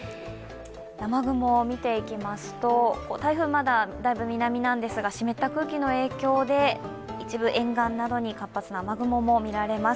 雨雲、見ていきますと台風まだ、だいぶ南なんですが湿った空気の影響で、一部、沿岸などに活発な雨雲などが見られます。